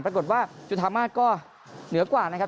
ปรากฏว่าจุธามาศก็เหนือกว่านะครับ